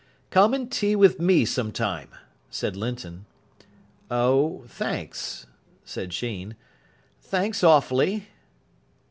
"Come and tea with me some time," said Linton. "Oh, thanks," said Sheen. "Thanks awfully."